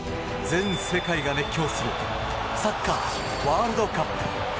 全世界が熱狂するサッカーワールドカップ。